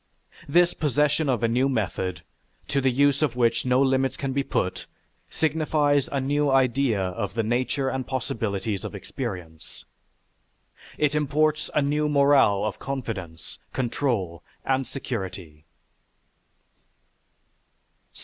This possession of a new method, to the use of which no limits can be put, signifies a new idea of the nature and possibilities of experience. It imports a new morale of confidence, control, and security.